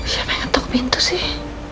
siapa yang etok pintu sih